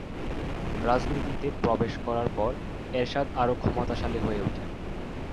রাজনীতিতে প্রবেশ করার পর এরশাদ আরো ক্ষমতাশালী হয়ে উঠেন।